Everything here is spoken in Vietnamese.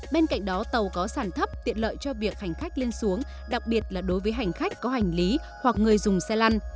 bên cạnh đó tàu có sản thấp tiện lợi cho việc hành khách lên xuống đặc biệt là đối với hành khách có hành lý hoặc người dùng xe lăn